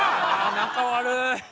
仲悪い。